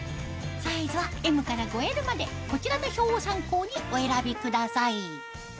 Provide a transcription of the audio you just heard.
サイズはＭから５Ｌまでこちらの表を参考にお選びください